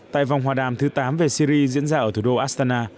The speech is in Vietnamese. tại vòng hòa đàm thứ tám về syri diễn ra ở thủ đô astana